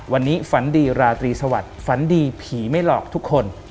วันนี้ฝันดีราตรีสวัสดิ์ฝันดีผีไม่หลอกทุกคน